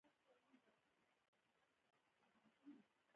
په اجاره ورکولو سره عواید دوه چنده زیاتېږي.